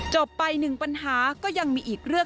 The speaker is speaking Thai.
จบไปหนึ่งปัญหาก็ยังมีอีกเรื่อง